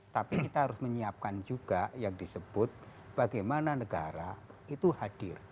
tapi kita harus menyiapkan juga yang disebut bagaimana negara itu hadir